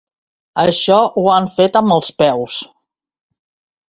Això ho han fet amb els peus.